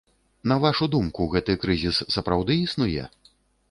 На вашу думку, гэты крызіс сапраўды існуе?